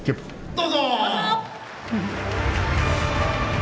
・どうぞ！